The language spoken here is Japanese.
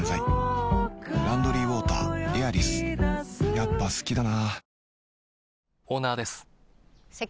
やっぱ好きだな